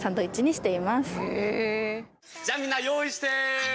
じゃあみんな用意して！